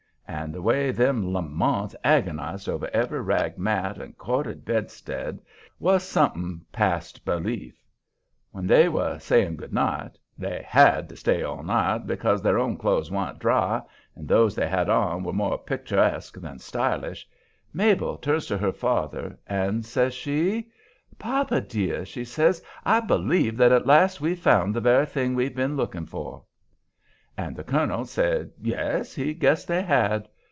And the way them Lamonts agonized over every rag mat, and corded bedstead was something past belief. When they was saying good night they HAD to stay all night because their own clothes wa'n't dry and those they had on were more picturesque than stylish Mabel turns to her father and says she: "Papa, dear," she says, "I believe that at last we've found the very thing we've been looking for." And the colonel said yes, he guessed they had.